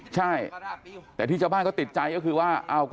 ใช่แต่ที่เฉพาะเขาติดใจก็คือว่า